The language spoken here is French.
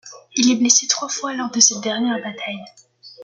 Il est blessé trois fois lors de cette dernière bataille.